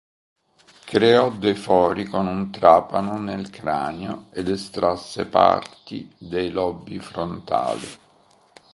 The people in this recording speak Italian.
Creò dei fori con un trapano nel cranio ed estrasse parti dei lobi frontali.